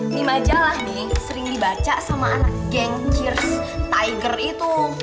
ini majalah nih sering dibaca sama anak geng cheers tiger itu